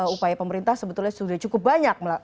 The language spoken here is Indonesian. upaya pemerintah sebetulnya sudah cukup banyak